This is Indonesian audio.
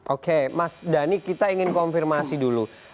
oke mas dhani kita ingin konfirmasi dulu